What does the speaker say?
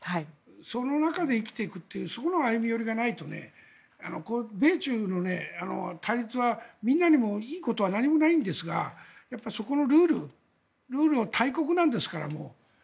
その中で生きていくというそこの歩み寄りがないと米中の対立はみんなにもいいことは何もないんですがそこのルールを大国なんですからもう。